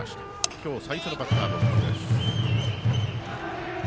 今日最初のバッターボックスです。